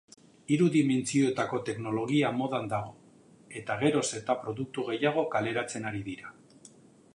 Hiru dimentsiotako teknologia modan dago eta geroz eta produktu gehiago kaleratzen ari dira.